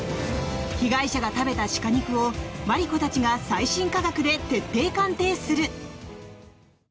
被害者が食べた鹿肉をマリコたちが最新科学で徹底鑑定する！